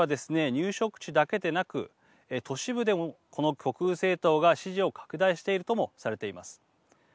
入植地だけでなく都市部でもこの極右政党が支持を拡大しているともされています。